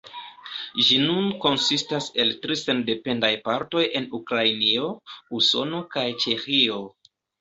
Ĝi nun konsistas el tri sendependaj partoj en Ukrainio, Usono kaj Ĉeĥio.